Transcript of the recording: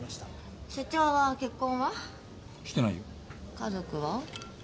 家族は？